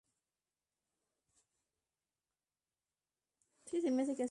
Desde La Romana se tarda media hora en llegar a Isla Catalina.